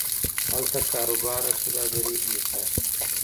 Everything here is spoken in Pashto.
هلته کاروبار او سوداګري انحصار شوه.